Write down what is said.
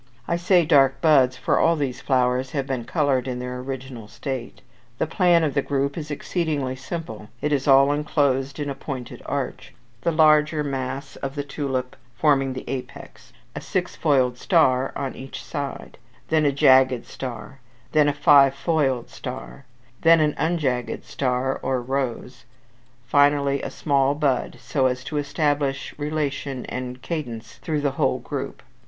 I say, dark buds, for all these flowers have been coloured in their original state. The plan of the group is exceedingly simple: it is all enclosed in a pointed arch (Fig. 3, Appendix V.): the large mass of the tulip forming the apex; a six foiled star on each side; then a jagged star; then a five foiled star; then an unjagged star or rose; finally a small bud, so as to establish relation and cadence through the whole group.